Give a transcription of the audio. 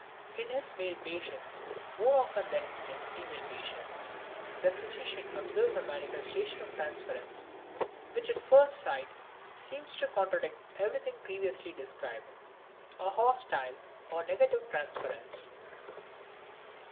In his male patients more often than in his women patients, the physician observes a manifestation of transference which at first sight seems to contradict everything previously described: a hostile or negative transference.